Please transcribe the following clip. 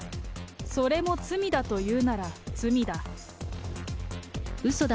それも罪だというなら罪だ。